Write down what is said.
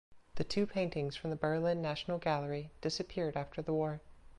The two paintings from the Berlin National Gallery disappeared after the war.